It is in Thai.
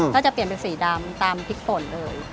ก็จะเปลี่ยนเป็นสีดำตามพริกฝนเลย